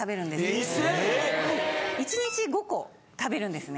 １日５個食べるんですね。